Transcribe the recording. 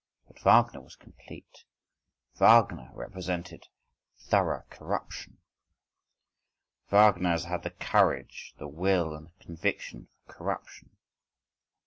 But Wagner was complete, Wagner represented thorough corruption, Wagner has had the courage, the will, and the conviction for corruption.